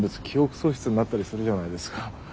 記憶喪失になったりするじゃないですか。